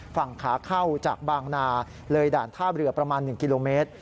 ฝั่งขาเข้าจากบางนาเลยด่านท่าเรือประมาณ๑กิโลเมตร